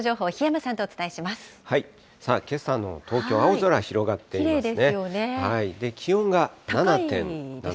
さあ、けさの東京、青空、広がっていますよね。